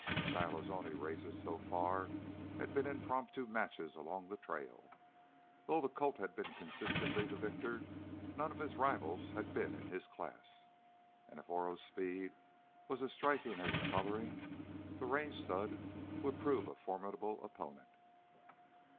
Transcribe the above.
Shiloh's only races so far had been impromptu matches along the trail. Though the colt had been consistently the victor, none of his rivals had been in his class. And if Oro's speed was as striking as his coloring, the Range stud would prove a formidable opponent.